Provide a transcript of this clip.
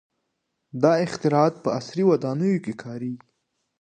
• دا اختراعات په عصري ودانیو کې کارېږي.